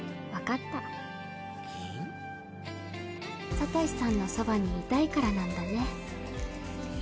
サトシさんのそばにいたいからなんだね。